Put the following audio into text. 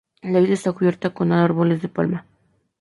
La isla está cubierta con árboles de palma.